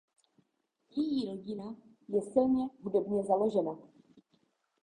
Její rodina je silně hudebně založena.